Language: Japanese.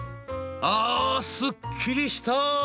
「あすっきりした！